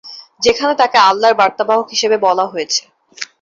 যেখানে তাকে আল্লাহর বার্তাবাহক হিসাবে বলা হয়েছে।